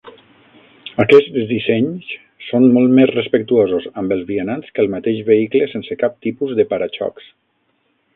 Aquests dissenys són molt més "respectuosos amb els vianants" que el mateix vehicle sense cap tipus de para-xocs.